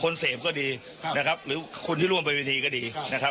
เสพก็ดีนะครับหรือคนที่ร่วมเป็นวิธีก็ดีนะครับ